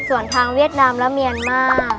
ส่วนทางเวียดนามและเมียนมาร์